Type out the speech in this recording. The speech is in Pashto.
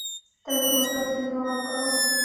تل په مثبتو څیزونو غور کوم.